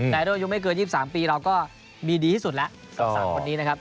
รุ่นอายุไม่เกิน๒๓ปีเราก็มีดีที่สุดแล้วกับ๓คนนี้นะครับ